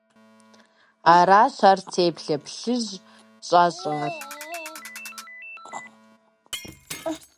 Аращ ар теплъэ плъыжь щӏащӏар.